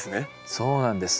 そうなんです。